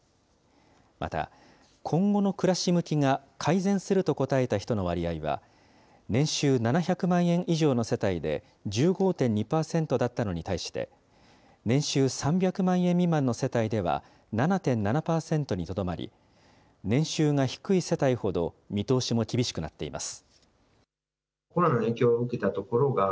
また今後の暮らし向きが改善すると答えた人の割合は、年収７００万円以上の世帯で１５．２％だったのに対して、年収３００万円未満の世帯では、７．７％にとどまり、年収が低い世帯ほど、見通しも厳しくなっています。